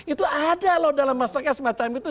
itu ada loh dalam masyarakat semacam itu